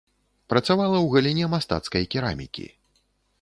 Працавала ў галіне мастацкай керамікі.